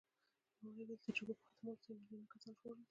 نوموړي وویل، د جګړو په ختمولو سره مې میلیونونه کسان ژغورلي دي.